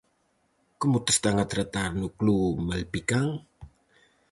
Como te están a tratar no club malpicán?